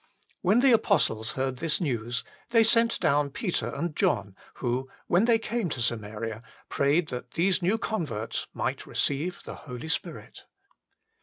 When the apostles 12 THE FULL BLESSING OF PENTECOST heard this news, they sent down Peter and John, who, when they came to Samaria, prayed that these new converts might receive the Holy Spirit.